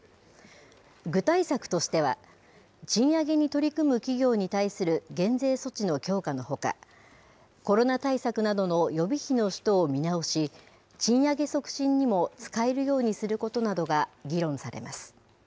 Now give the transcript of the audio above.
具体策としては、賃上げに取り組む企業に対する減税措置の強化のほか、コロナ対策などの予備費の使途を見直し、賃上げ促進にも使えるようにすることなどが議論されます。